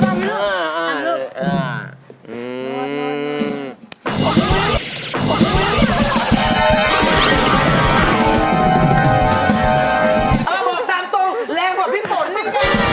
บอกตามตรงแรงกว่าพี่ปนนี่